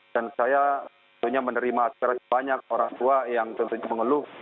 dan saya menerima aspek banyak orang tua yang tentunya mengeluh